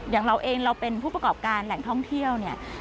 อย่างเราเองเราเป็นผู้ประกอบการแหล่งท่องเที่ยวเนี่ย